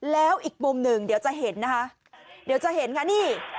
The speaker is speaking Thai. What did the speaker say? แล้วอีกมุมหนึ่งเดี๋ยวจะเห็นนะคะเดี๋ยวจะเห็นค่ะนี่